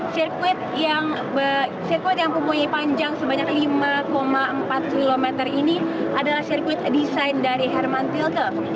sirkuit yang mempunyai panjang sebanyak lima empat km ini adalah sirkuit desain dari herman tilkev